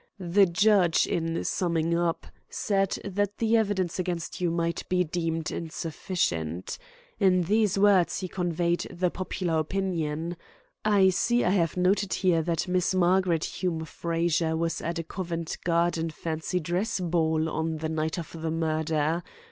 The judge, in summing up, said that the evidence against you 'might be deemed insufficient.' In these words he conveyed the popular opinion. I see I have noted here that Miss Margaret Hume Frazer was at a Covent Garden Fancy Dress Ball on the night of the murder.